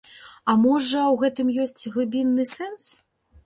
А можа, у гэтым ёсць глыбінны сэнс?